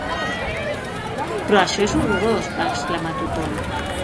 -Però això és horrorós!- va exclamar tothom.